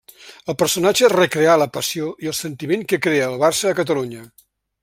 El personatge recreà la passió i el sentiment que crea el Barça a Catalunya.